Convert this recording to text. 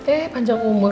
eh panjang umur